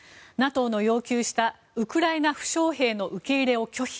ＮＡＴＯの要求したウクライナ負傷兵の受け入れを拒否。